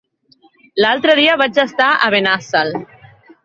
L'altre dia vaig estar a Benassal.